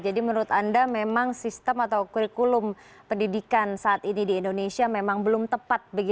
jadi menurut anda memang sistem atau kurikulum pendidikan saat ini di indonesia memang belum tepat